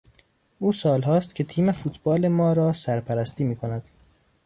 او سالهاست که تیم فوتبال ما را سر پرستی میکند.